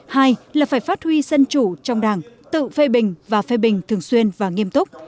hai là phải phát huy dân chủ trong đảng tự phê bình và phê bình thường xuyên và nghiêm túc